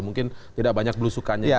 mungkin tidak banyak belusukannya